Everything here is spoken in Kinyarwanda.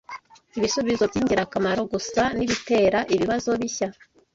Ibisubizo byingirakamaro gusa nibitera ibibazo bishya.